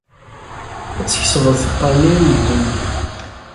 Ad tkesbeḍ tiqerniyin n ddunit.